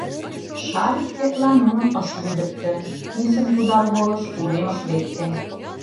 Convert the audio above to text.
Шарик тетла нуным ыш лӱдыктӧ, писын кудал волыш, уремыш лекте.